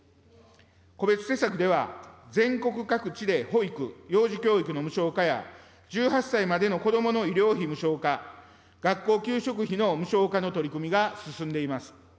個別施策では、全国各地で保育、幼児教育の無償化や、１８歳までの子どもの医療費無償化、学校給食費の無償化の取り組みが進んでいます。